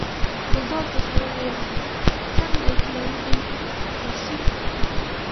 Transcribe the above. ګلداد ورته وویل: څنګه هوښیار دی، تفصیل ورکړه؟